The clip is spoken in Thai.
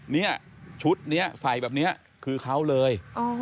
เนี่ยชุดนี้ใส่แบบนี้คือเขาเลย